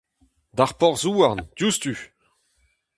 D'ar porzh-houarn diouzhtu !